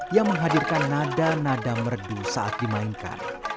yang menghadirkan nada nada merdu saat dimainkan